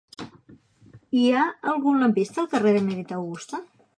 Hi ha algun lampista al carrer d'Emèrita Augusta?